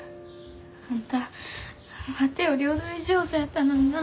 あんたワテより踊り上手やったのになあ。